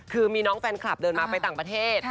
คือมีน้องแฟนคลับเดินมาไปต่างประเทศ